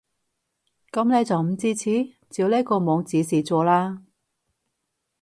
噉你仲唔支持？照呢個網指示做啦